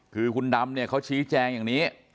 คือคุณดำเนี่ยเขาชี้แจงอย่างนี้